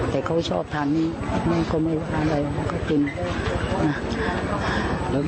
แต่เขาชอบทานนี้แม่ก็ไม่ว่าอะไรเขาก็เป็น